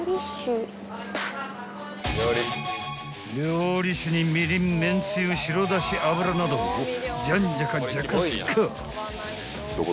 ［料理酒にみりんめんつゆ白だし油などをじゃんじゃかじゃかすか］